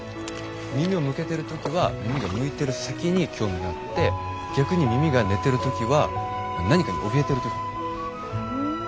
耳を向けてる時は耳が向いてる先に興味があって逆に耳が寝てる時は何かにおびえてる時なんだ。